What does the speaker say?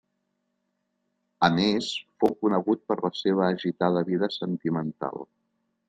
A més fou conegut per la seva agitada vida sentimental.